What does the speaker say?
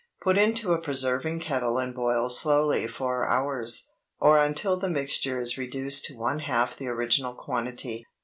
Put into a preserving kettle and boil slowly four hours, or until the mixture is reduced to one half the original quantity.